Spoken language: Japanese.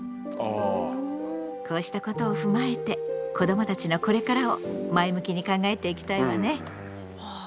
こうしたことを踏まえて子どもたちのこれからを前向きに考えていきたいわね。